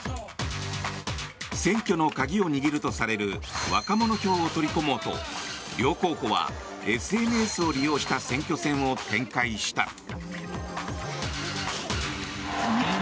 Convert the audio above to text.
選挙の鍵を握るとされる若者票を取り込もうと両候補はＳＮＳを利用した選挙戦を展開した。